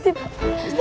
istifar kan ya mama